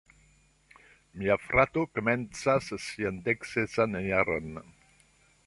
Mia frato komencas sian deksesan jaron.